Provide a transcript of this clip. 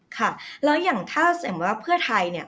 ค่ะแล้วอย่างถ้าสมมุติว่าเพื่อไทยเนี่ย